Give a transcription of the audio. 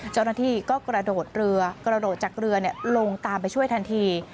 เจ้าหน้าที่ก็กระโดดเรือกระโดดจากเรือลงตามไปช่วยทันที